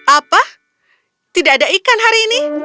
apa tidak ada ikan hari ini